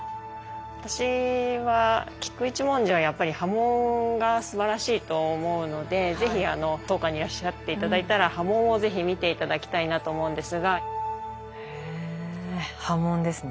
私は菊一文字はやっぱり刃文がすばらしいと思うのでぜひ当館にいらっしゃって頂いたら刃文をぜひ見て頂きたいなと思うんですが。へ刃文ですね。